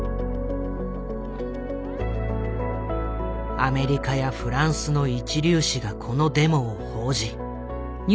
アメリカやフランスの一流紙がこのデモを報じ。